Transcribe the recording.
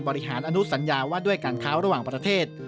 อนุสัญญาว่าด้วยการค้าระหว่างประเทศ